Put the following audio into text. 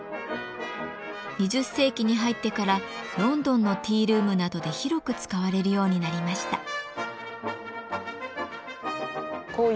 ２０世紀に入ってからロンドンのティールームなどで広く使われるようになりました。